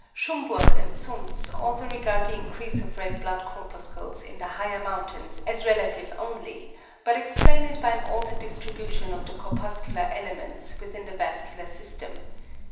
Schumburg and Zuntz also regard the increase of red blood corpuscles in the higher mountains as relative only, but explain it by an altered distribution of the corpuscular elements within the vascular system.